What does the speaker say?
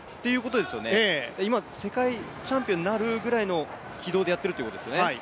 今、世界チャンピオンになるぐらいの軌道でやっているということですよね。